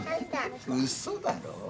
うそだろ？